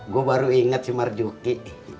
gua baru inget si marjuki